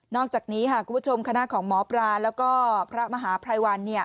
อกจากนี้ค่ะคุณผู้ชมคณะของหมอปลาแล้วก็พระมหาภัยวัน